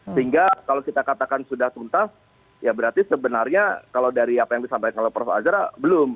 sehingga kalau kita katakan sudah tuntas ya berarti sebenarnya kalau dari apa yang disampaikan oleh prof azra belum